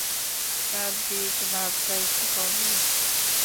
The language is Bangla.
কাব্যিক ভাবটা একটু কমিয়ে।